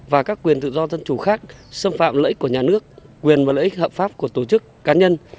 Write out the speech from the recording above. và các quyền tự do dân chủ khác xâm phạm lợi ích của nhà nước quyền và lợi ích hợp pháp của tổ chức cá nhân